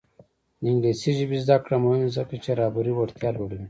د انګلیسي ژبې زده کړه مهمه ده ځکه چې رهبري وړتیا لوړوي.